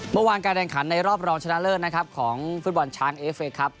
เมื่อวานการแด่งขันในรอบรองชนะเลิศของฟื้นบอลช้างเอเฟคครับ